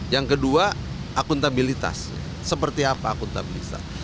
yang kedua akuntabilitas seperti apa akuntabilitas